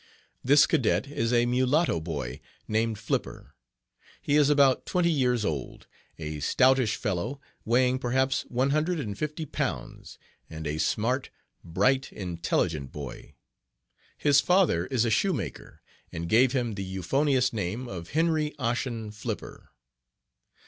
This cadet is a mulatto boy named Flipper. He is about twenty years old, a stoutish fellow, weighing perhaps one hundred and fifty pounds, and a smart, bright, intelligent boy. His father is a shoemaker, and gave him the euphonious name of Henry Ossian Flipper.